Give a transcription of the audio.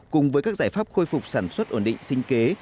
cùng với các giải pháp khôi phục sản xuất ổn định sinh kế